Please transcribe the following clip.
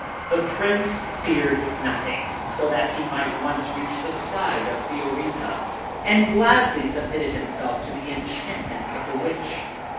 The Prince feared nothing so that he might once reach the side of Fiorita, and gladly submitted himself to the enchantments of the Witch.